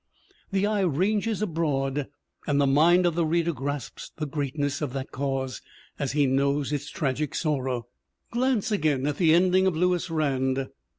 The eye ranges abroad and the mind of the reader grasps the greatness of that cause as he knows its tragic sorrow. Glance again at the ending of Lewis Rand.